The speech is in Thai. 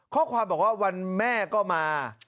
ข้อความบอกว่าวันแม่ก็มา